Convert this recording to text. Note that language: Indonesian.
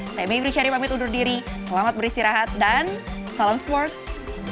saya mie prichari pamit undur diri selamat beristirahat dan salam sports